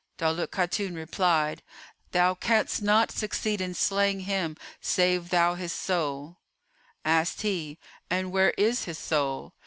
Daulat Khatun replied, "Thou canst not succeed in slaying him save thou slay his soul." Asked he, "And where is his soul?"